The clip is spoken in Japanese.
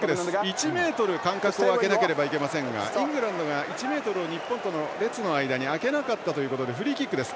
１ｍ、間隔を空けなければいけませんがイングランドが１ｍを日本との列の間に空けなかったということでフリーキックです。